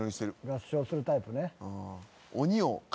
合掌するタイプね。